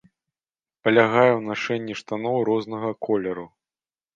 Палягае ў нашэнні штаноў рознага колеру.